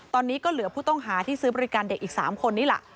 ตอนนี้ก็เหลือผู้ต้องหาที่ซื้อบริการเด็กอีก๓คนนี่แหละ